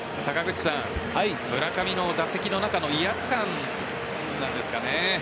村上の打席の中の威圧感なんですかね。